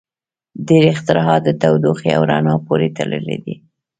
• ډېری اختراعات د تودوخې او رڼا پورې تړلي دي.